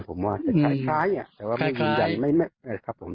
ผมว่าจะคล้ายแต่ว่าไม่ยืนยัน